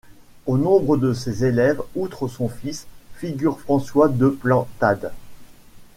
Au nombre de ses élèves, outre son fils, figure François de Plantade.